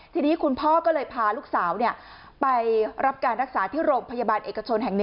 ทีนี้คุณพ่อก็เลยพาลูกสาวไปรับการรักษาที่โรงพยาบาลเอกชนแห่ง๑